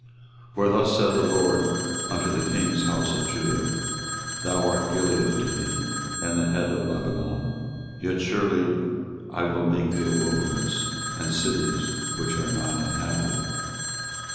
24:022:006 For thus saith the LORD unto the king's house of Judah; Thou art Gilead unto me, and the head of Lebanon: yet surely I will make thee a wilderness, and cities which are not inhabited.